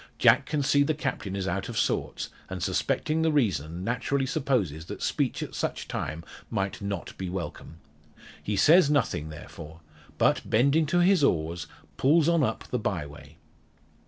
Jack can see the Captain is out of sorts, and suspecting the reason, naturally supposes that speech at such time might not be welcome. He says nothing, therefore; but, bending to his oars, pulls on up the bye way.